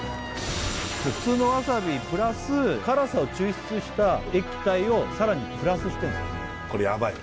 普通のわさびプラス辛さを抽出した液体をさらにプラスしてるのこれヤバい